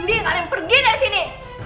mending kalian pergi dari sini